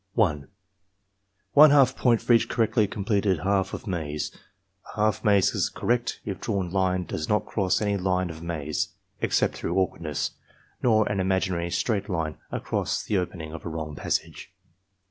One half point for each correctly completed half of maze. A half maze is correct if drawn line does not cross any line of maze (except through awkwardness) nor an imaginary straight line across the opening of a wrong passage.